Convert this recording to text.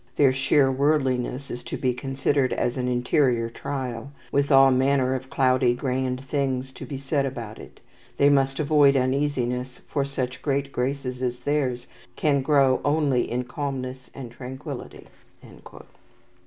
Their sheer worldliness is to be considered as an interior trial, with all manner of cloudy grand things to be said about it. They must avoid uneasiness, for such great graces as theirs can grow only in calmness and tranquillity."